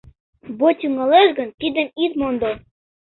Бой тӱҥалеш гын, тидым ит мондо.